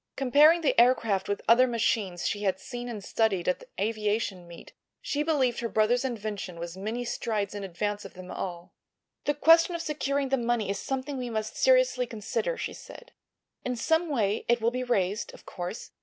Comparing the aircraft with other machines she had seen and studied at the aviation meet she believed her brother's invention was many strides in advance of them all. "The question of securing the money is something we must seriously consider," she said. "In some way it will be raised, of course.